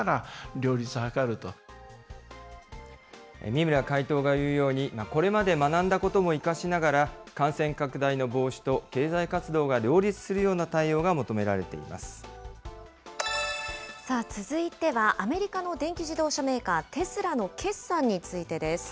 三村会頭が言うように、これまで学んだことも生かしながら、感染拡大の防止と経済活動が両立するような対応が求められていま続いては、アメリカの電気自動車メーカー、テスラの決算についてです。